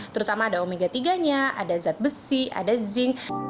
terutama ada omega tiga nya ada zat besi ada zinc